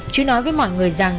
chứ nói với mọi người rằng